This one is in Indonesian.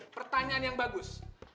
pertanyaan yang bagus